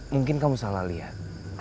mungkin kamu salah lihat